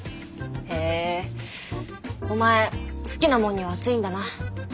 へえお前好きなもんには熱いんだな。